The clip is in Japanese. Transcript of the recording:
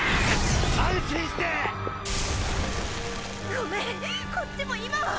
ごめんこっちも今は！